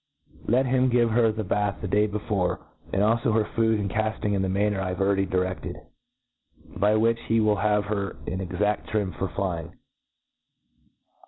Let him give her the bath the day before, and alfo her food and cafting, in the manner I have already direftcd, by which he will have her in exaft trim for flying.